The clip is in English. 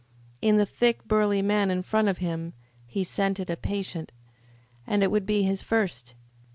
In the thick, burly man in front of him he scented a patient, and it would be his first.